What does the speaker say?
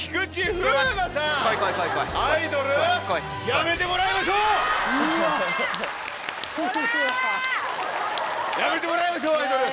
やめてもらいましょうアイドル。